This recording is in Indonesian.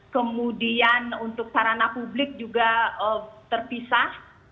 kemudian untuk sarana publik juga terpisah